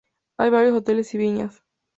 Hay varios hoteles y viñas.